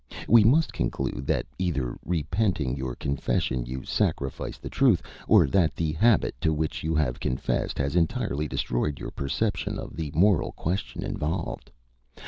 We must conclude that either, repenting your confession, you sacrifice the truth, or that the habit to which you have confessed has entirely destroyed your perception of the moral question involved.